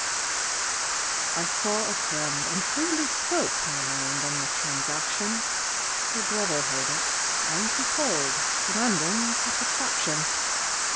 I saw a friend, and freely spoke My mind on the transaction; Her brother heard it, and he called, Demanding satisfaction.